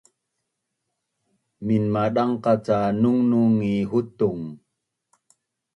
minmadangqac ca nungnung ngi hutung